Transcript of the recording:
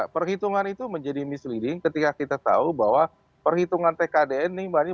perhitungan itu menjadi misleading ketika kita tahu bahwa perhitungan tkdn ini